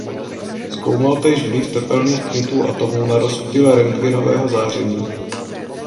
Zkoumal též vliv tepelných kmitů atomů na rozptyl rentgenového záření.